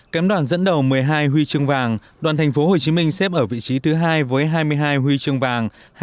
kém đoàn dẫn đầu một mươi hai huy chương vàng đoàn thành phố hồ chí minh xếp ở vị trí thứ hai với hai mươi hai huy chương vàng